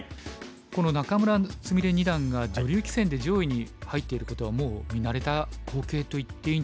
この仲邑菫二段が女流棋戦で上位に入ってることはもう見慣れた光景といっていいんじゃないですかね。